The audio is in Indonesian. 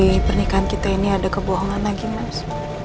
aku gak mau di pernikahan kita ini ada kebohongan lagi mas